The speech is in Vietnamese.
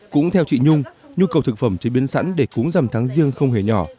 cũng theo chị nhung nhu cầu thực phẩm chế biến sẵn để cúng rằm tháng riêng không hề nhỏ